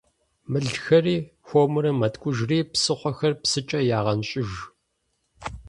Мылхэри хуэмурэ мэткӀужри псыхъуэхэр псыкӀэ ягъэнщӀыж.